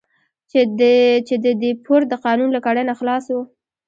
چې د دیپورت د قانون له کړۍ نه خلاص وو.